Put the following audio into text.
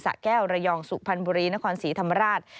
ษะแก้วระยองสุขพันบุรีนครศรีถมราช